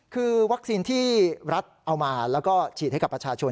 คือวัคซีนที่รัฐเอามาแล้วก็ฉีดให้กับประชาชน